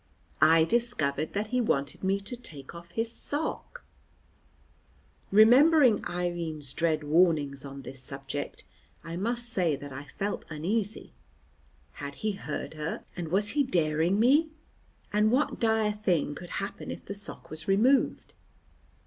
I discovered that he wanted me to take off his sock! Remembering Irene's dread warnings on this subject I must say that I felt uneasy. Had he heard her, and was he daring me? And what dire thing could happen if the sock was removed?